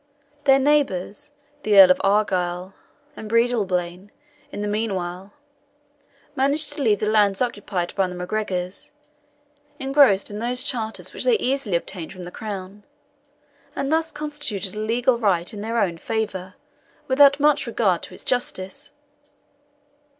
Their neighbours, the Earls of Argyle and Breadalbane, in the meanwhile, managed to leave the lands occupied by the MacGregors engrossed in those charters which they easily obtained from the Crown; and thus constituted a legal right in their own favour, without much regard to its justice.